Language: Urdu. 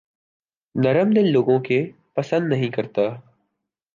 نرم دل لوگوں کے پسند نہیں کرتا